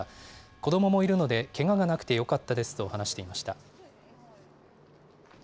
子どももいるので、けががなくてよかったですと話していました。